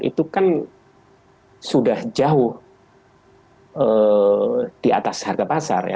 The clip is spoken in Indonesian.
itu kan sudah jauh di atas harga pasar ya